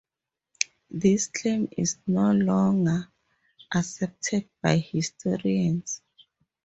This claim is no longer accepted by historians.